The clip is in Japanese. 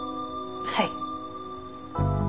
はい。